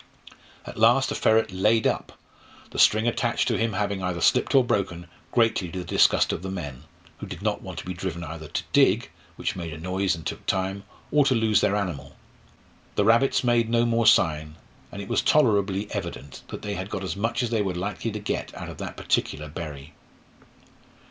At last a ferret "laid up," the string attached to him having either slipped or broken, greatly to the disgust of the men, who did not want to be driven either to dig, which made a noise and took time, or to lose their animal. The rabbits made no more sign, and it was tolerably evident that they had got as much as they were likely to get out of that particular "bury."